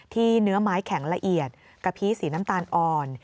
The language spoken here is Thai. เนื้อไม้แข็งละเอียดกะพีสีน้ำตาลอ่อน